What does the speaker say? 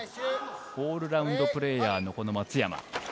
オールラウンドプレーヤーの松山。